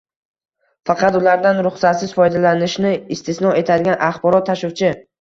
faqat ulardan ruxsatsiz foydalanishni istisno etadigan axborot tashuvchi